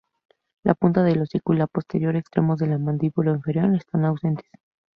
La punta del hocico y la posterior extremos de la mandíbula inferior están ausentes.